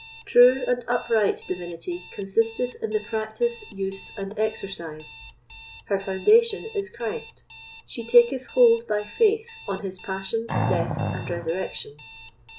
True and upright Divinity consisteth in the practice, use, and exercise; her foundation is Christ; she taketh hold by faith on his passion, death, and resurrection.